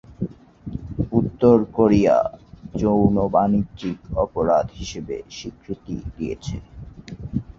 উত্তর কোরিয়া যৌন বাণিজ্যকে অপরাধ হিসেবে স্বীকৃতি দিয়েছে।